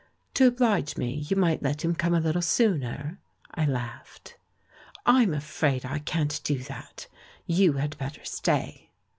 "To oblige me, you might let him come a little sooner," I laughed. "I'm afraid I can't do that. You had better stay."